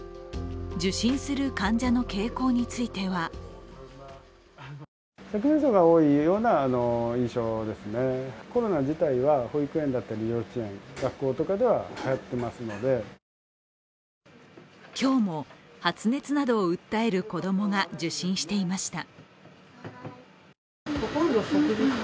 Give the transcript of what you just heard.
受診する患者の傾向については今日も発熱などを訴える子供が受診していました。